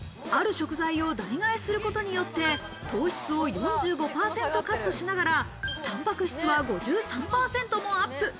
ある食材を代替えすることによって糖質を４５％カットしながら、タンパク質は５３％もアップ。